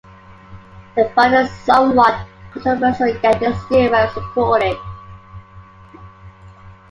The fund is somewhat controversial yet is still well supported.